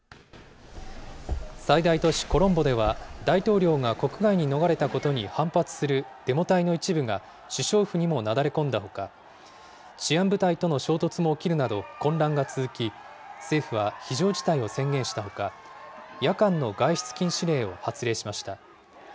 最大都市コロンボでは、大統領が国外に逃れたことに反発するデモ隊の一部が、首相府にもなだれ込んだほか、治安部隊との衝突も起きるなど混乱が続き、政府は非常事態を宣言したほか、夜間の外出禁止令を発令しました。